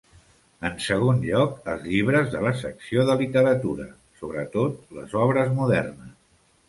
En segon lloc, els llibres de la secció de literatura, sobretot les obres modernes.